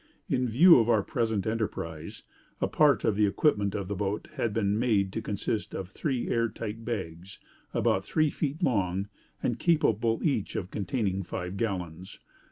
In view of our present enterprise, a part of the equipment of the boat had been made to consist of three air tight bags, about three feet long, and capable each of containing five gallons.